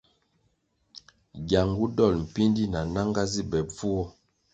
Giangu dol mpíndí na nanga zi be bvuo.